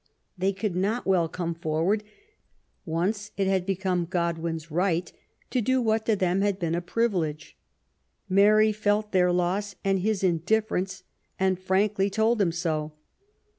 They could not well come forward, once it had become Godwin's right to do what to them had been a privilege. Mary felt their loss and his indifference, and frankly told him so.